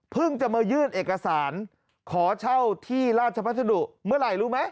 จะมายื่นเอกสารขอเช่าที่ราชพัสดุเมื่อไหร่รู้ไหม